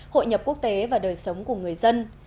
hội nhập quốc tế và đời sống của người dân